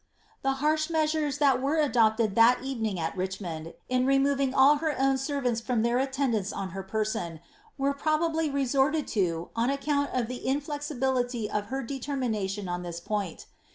^ The harsh measures that were adopted that evening at Richmond, io removing all her own sen ants from their attendance on her person, were probably resorted to on account of the inflexibility of her determination on this point.